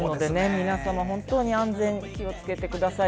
皆さま本当に安全に気を付けてください。